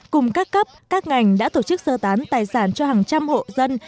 cùng các cấp các ngành đã tổ chức sơ tán tài sản cho hàng trăm hộ dân